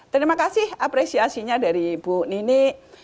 terima kasih apresiasinya dari bu nini